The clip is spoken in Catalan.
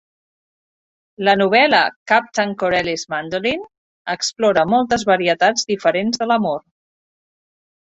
La novel·la "Captain Corelli's Mandolin" explora moltes varietats diferents de l'amor.